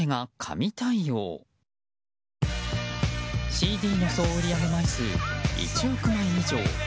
ＣＤの総売り上げ枚数１億枚以上。